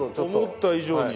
思った以上に。